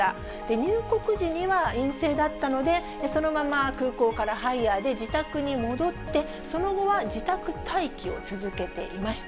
入国時には陰性だったので、そのまま空港からハイヤーで自宅に戻って、その後は自宅待機を続けていました。